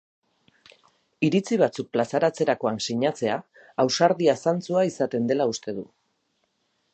Iritzi batzuk plazaratzerakoan sinatzea ausardia zantzua izaten dela uste dut.